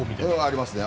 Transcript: ありますね。